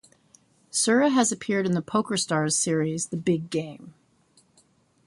Sura has appeared in the PokerStars series "The Big Game".